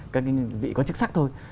các vị quan chức sắc thôi